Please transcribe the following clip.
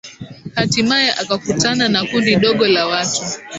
hatimaye akakutana na kundi dogo la watu